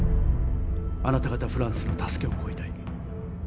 あなた方フランスの助けを請いたい。